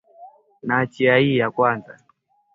Mina juwa bunene bwa mashamba ya mama